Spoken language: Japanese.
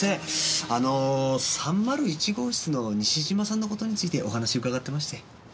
あの３０１号室の西島さんの事についてお話伺ってまして。